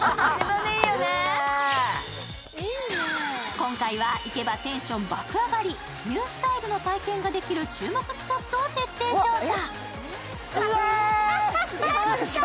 今回は行けばテンション爆上がり、ニュースタイルの体験ができる注目スポットを徹底調査。